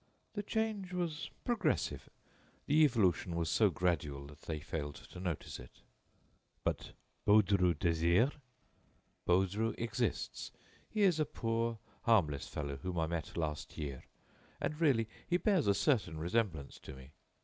"The change was progressive. The evolution was so gradual that they failed to notice it." "But Baudru Désiré?" "Baudru exists. He is a poor, harmless fellow whom I met last year; and, really, he bears a certain resemblance to me.